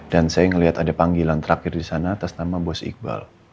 dan saya ngeliat ada panggilan terakhir disana atas nama bos iqbal